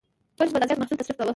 بل شخص به دا زیات محصول تصرف کاوه.